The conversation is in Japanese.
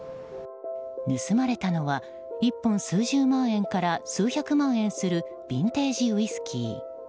盗まれたのは１本数十万円から数百万円するビンテージウイスキー。